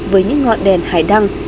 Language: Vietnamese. với những ngọn đèn hải đăng